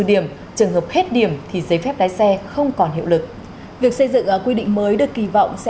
điểm trường hợp hết điểm thì giấy phép lái xe không còn hiệu lực việc xây dựng quy định mới được kỳ vọng sẽ